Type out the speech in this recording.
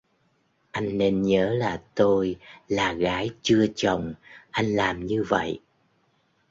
Anh nên nhớ là tôi là gái chưa chồng anh làm như vậy